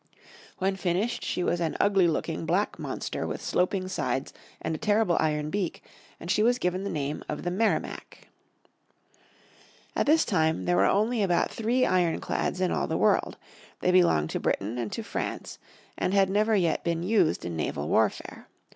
When finished she was an ugly looking, black monster with sloping sides and a terrible iron beak, and she was given the name of the Merrimac. At this time there were only about three ironclads in all the world. They belonged to Britain and to France, and had never yet been used in naval warfare.